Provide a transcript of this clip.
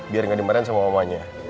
biar gak demaren sama omahnya